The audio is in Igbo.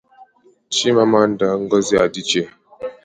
Chimamanda Ngọzị Adịchie.